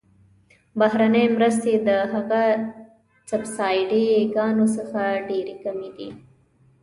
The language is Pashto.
بهرنۍ مرستې د هغه سبسایډي ګانو څخه ډیرې کمې دي.